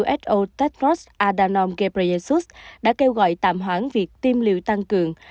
who tedros adhanom ghebreyesus đã kêu gọi tạm hoãn việc tiêm liệu tăng cường